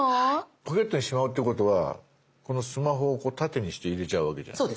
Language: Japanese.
ポケットにしまうってことはこのスマホを縦にして入れちゃうわけじゃないですか？